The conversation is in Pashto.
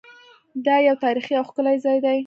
دا یو تاریخي او ښکلی ځای دی.